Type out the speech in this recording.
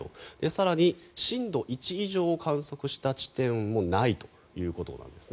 更に、震度１以上を観測した地点もないということなんです。